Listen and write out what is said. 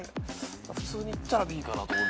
普通にいったらＢかなと思うんですけど。